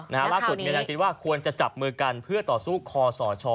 ล่าสุดมีแรงคิดว่าควรจะจับมือกันเพื่อต่อสู้คอสช